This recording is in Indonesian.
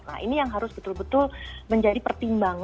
nah ini yang harus betul betul menjadi pertimbangan